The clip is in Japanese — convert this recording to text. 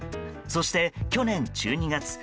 そして、去年１２月。